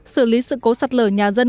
xử lý sự cố sạt lở nhà dân